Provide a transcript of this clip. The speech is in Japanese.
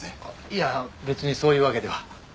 いや別にそういうわけでは。